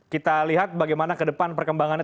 kita lihat bagaimana ke depan perkembangannya